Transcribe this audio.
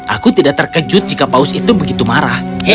aku tidak terkejut jika paus itu begitu marah